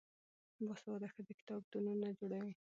باسواده ښځې کتابتونونه جوړوي.